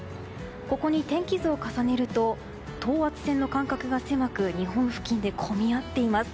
ここに天気図を重ねると等圧線の間隔が狭く日本付近で混み合っています。